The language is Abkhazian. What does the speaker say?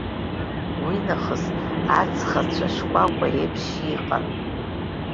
Уи нахыс ацхацәа шкәакәа еиԥш иҟан.